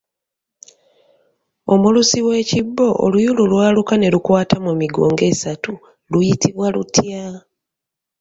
Omulusi w'ekibbo oluyulu lwaluka ne lukwata mu migo ng’esatu luyitibwa lutya?